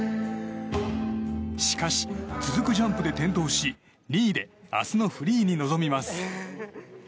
しかし続くジャンプで転倒し２位で明日のフリーに臨みます。